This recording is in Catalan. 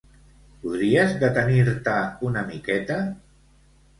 Podries detenir-te una miqueta?